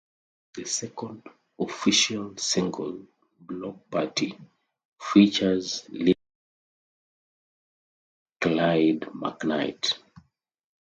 The second official single, "Block Party", features Lil Mama and Clyde McKnight.